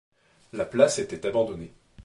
La place était abandonnée.